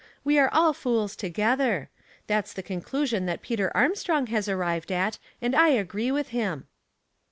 We are all fools together. That's the conclusion that Peter Armstrong has arrived at, and I agree with him."